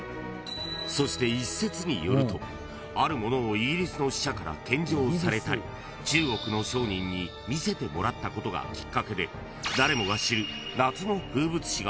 ［そして一説によるとあるものをイギリスの使者から献上されたり中国の商人に見せてもらったことがきっかけで］